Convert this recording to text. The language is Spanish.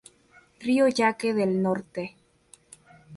Rio yaque Del Norte